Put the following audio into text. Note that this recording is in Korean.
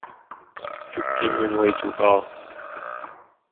죽기는 왜 죽어